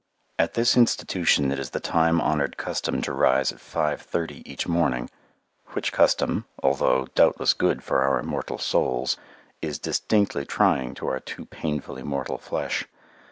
At this institution it is the time honoured custom to rise at five thirty each morning, which custom, although doubtless good for our immortal souls, is distinctly trying to our too painfully mortal flesh.